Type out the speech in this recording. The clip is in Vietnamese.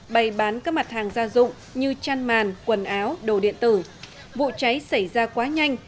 bày bán các mặt hàng gia dụng như chăn màn quần áo đồ điện tử vụ cháy xảy ra quá nhanh